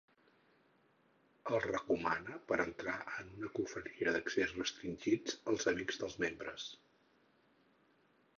El recomana per entrar en una confraria d'accés restringit als amics dels membres.